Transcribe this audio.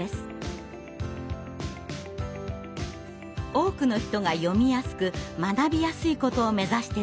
多くの人が読みやすく学びやすいことを目指して作られました。